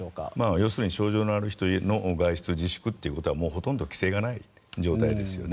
要するに症状のある人の外出自粛というのはほとんど規制がない状態ですよね。